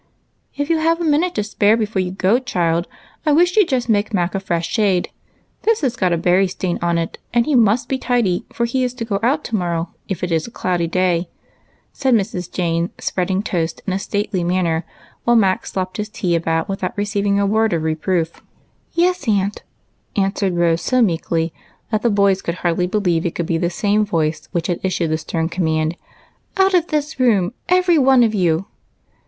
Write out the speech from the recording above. " If you have a minute to spare before you go, child, I wish you 'd just make Mac a fresh shade ; this has got a berry stain on it, and he must be tidy, for he is to go out to morrow if it is a cloudy day," said Mrs. Jane, spreading toast in a stately manner, while Mac slopped his tea about Avithout receiving a word of re proof. 136 EIGHT COUSINS. " Yes, iiuiit,"" answered Rose, so meekly that the boys CDuld hardly believe it could be the same voice which had issued the stern command, " Out of this room, every one of you